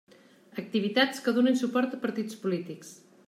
Activitats que donin suport a partits polítics.